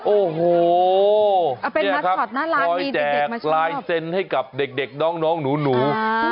โอ้โห้ขอแจกลายเซนต์ให้กับเด็กน้องหนู